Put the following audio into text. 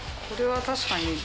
これは確かに。